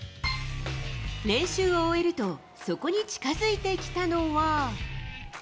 練習を終えると、そこに近づいてきたのは。